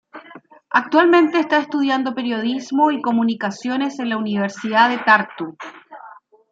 Actualmente está estudiando periodismo y comunicaciones en la Universidad de Tartu.